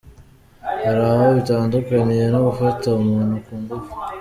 Hari aho bitandukaniye no gufata umuntu ku ngufu?